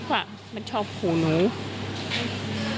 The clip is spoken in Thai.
ไม่ตั้งใจครับ